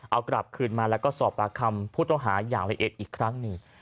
เอากลับคืนมาแล้วก็สอบปากคำผู้ต้องหาอย่างละเอียดอีกครั้งหนึ่ง